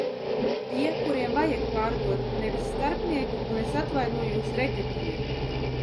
Tie, kuriem vajag pārdot, nevis starpnieki un, es atvainojos, reketieri.